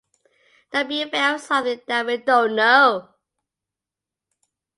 Not be afraid of something that we don't know.